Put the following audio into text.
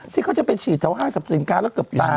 ที่เขาจะไปฉีดแถวห้างสรรพสินค้าแล้วเกือบตาย